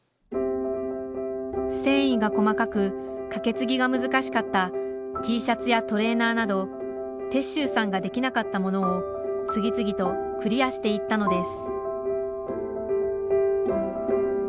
繊維が細かくかけつぎが難しかったＴシャツやトレーナーなど鉄舟さんができなかったものを次々とクリアしていったのです